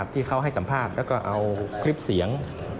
ที่เขาให้สัมภาษณ์แล้วก็เอาคลิปเสียง